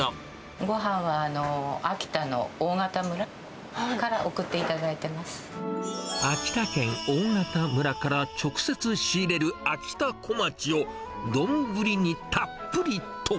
ごはんは、秋田の大潟村から秋田県大潟村から直接仕入れるあきたこまちを、丼にたっぷりと。